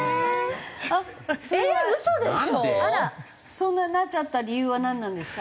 そんなになっちゃった理由はなんなんですか？